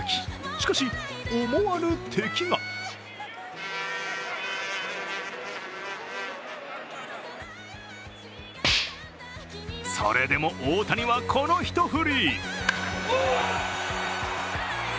しかし、思わぬ敵がそれでも大谷は、この一振り。